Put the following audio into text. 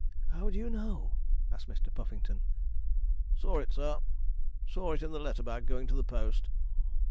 'How do you know?' asked Mr. Puffington. 'Saw it, sir saw it in the letter bag going to the post.'